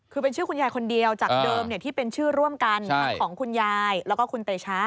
คือเป็นชื่อคุณยายคนเดียวจากเดิมที่เป็นชื่อร่วมกันทั้งของคุณยายแล้วก็คุณเตชะ